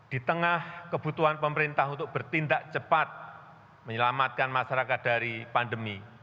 di tengah kebutuhan pemerintah untuk bertindak cepat menyelamatkan masyarakat dari pandemi